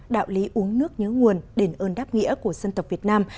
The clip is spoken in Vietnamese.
đạo lý uống nước nhớ nguồn đền ơn đáp nghĩa của dân tộc việt nam